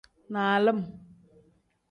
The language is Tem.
Nalim.